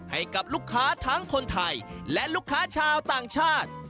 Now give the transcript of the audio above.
ให้กับลูกค้าทั้งคนไทยและลูกค้าชาวต่างชาติ